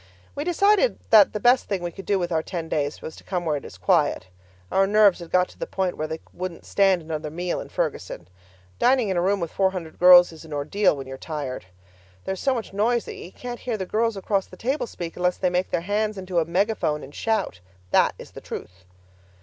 We decided that the best thing we could do with our ten days was to come where it is quiet. Our nerves had got to the point where they wouldn't stand another meal in Fergussen. Dining in a room with four hundred girls is an ordeal when you are tired. There is so much noise that you can't hear the girls across the table speak unless they make their hands into a megaphone and shout. That is the truth.